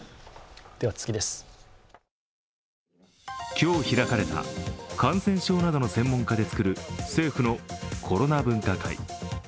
今日開かれた感染症などの専門家で作る政府のコロナ分科会。